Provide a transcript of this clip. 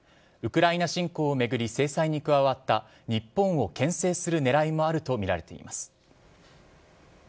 ウクライナ侵攻を巡り制裁に加わった日本をけん制する狙いもあるとみられています。